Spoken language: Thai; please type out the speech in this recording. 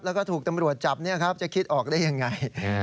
แล้วก็ถูกตำรวจจับจะคิดออกได้ยังไง